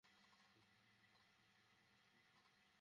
আমি একটা সংকটময় পরিস্থিতিতে আছি।